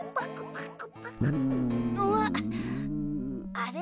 あれ？